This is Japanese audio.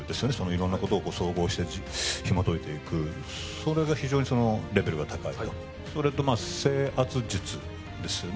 いろんなことを総合してひもといていくそれが非常にレベルが高いとそれと制圧術ですよね